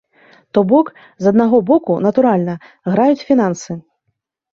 То бок, з аднаго боку, натуральна, граюць фінансы.